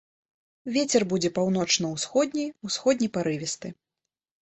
Вецер будзе паўночна-ўсходні, усходні парывісты.